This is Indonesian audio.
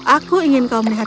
aku ingin kau melihat